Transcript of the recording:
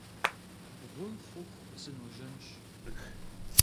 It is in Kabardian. Бгъу хъуху сыножьэнщ.